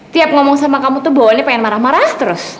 tiap ngomong sama kamu tuh bawaannya pengen marah marah terus